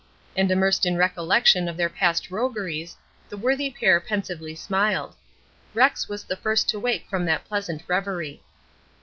And immersed in recollection of their past rogueries, the worthy pair pensively smiled. Rex was the first to awake from that pleasant reverie.